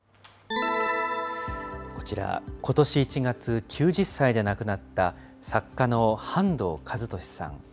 こちら、ことし１月、９０歳で亡くなった作家の半藤一利さん。